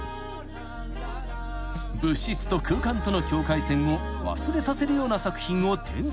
［物質と空間との境界線を忘れさせるような作品を展開してきた］